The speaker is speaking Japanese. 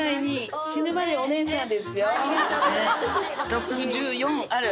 ６１４ある。